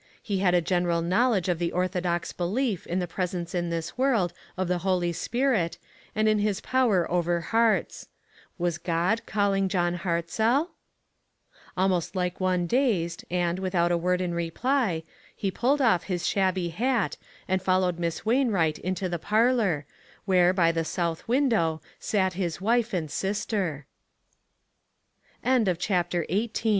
He had a general knowledge of the ortho dox belief in the presence in this world of the Holy Spirit, and in his power over hearts. Was God calling John Hartzell? Almost like one dazed, and, without a word in reply, he pulled off his shabby hat, and followed Miss Wainwright into the par lor, where, by the so